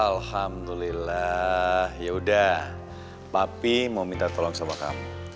alhamdulillah yaudah papi mau minta tolong sama kamu